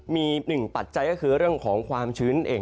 มีหนึ่งปัจจัยก็คือเรื่องของความชื้นนั่นเอง